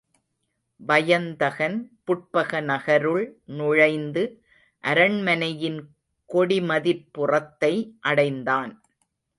வயந்தகன் புட்பக நகருள் நுழைந்து அரண்மனையின் கொடிமதிற் புறத்தை அடைந்தான்.